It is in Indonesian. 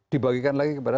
dibagikan lagi kepada